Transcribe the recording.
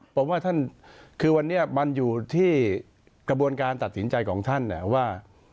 ผมว่าท่านคือวันนี้มันอยู่ที่กระบวนการตัดสินใจของท่านว่า